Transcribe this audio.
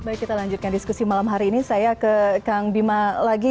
baik kita lanjutkan diskusi malam hari ini saya ke kang bima lagi